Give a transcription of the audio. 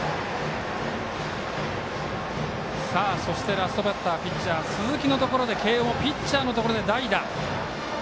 ラストバッターピッチャー、鈴木のところで慶応もピッチャーのところで代打。